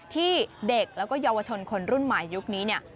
ที่เด็กและยาวชนคนรุ่นใหม่ยุคนี้